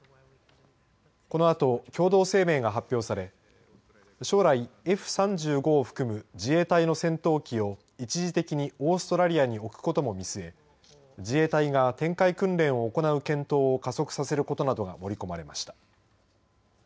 このあと、共同声明が発表され将来Ｆ‐３５を含む自衛隊の戦闘機を一時的にオーストラリアに置くことも見据え自衛隊が展開訓練を行う検討を加速させることなどが盛り込まれました。